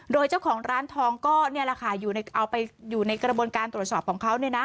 โดยเจ้าของร้านทองก็นี่แหละค่ะเอาไปอยู่ในกระบวนการตรวจสอบของเขา